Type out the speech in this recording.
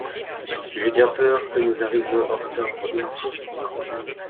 J'ai bien peur que nous arrivions en retard au rendez-vous.